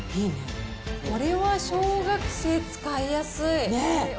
これは小学生使いやすい！